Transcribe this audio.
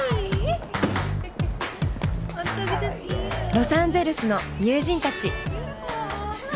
ロサンゼルスの友人たち。